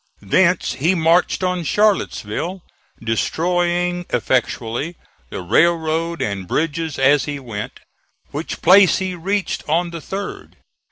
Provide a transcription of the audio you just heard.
Thence he marched on Charlottesville, destroying effectually the railroad and bridges as he went, which place he reached on the 3d.